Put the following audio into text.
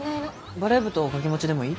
バレー部と掛け持ちでもいい？